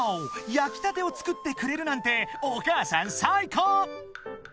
焼きたてを作ってくれるなんてお母さん最高！］